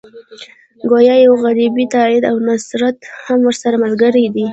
ګویا یو غیبي تایید او نصرت هم ورسره ملګری دی.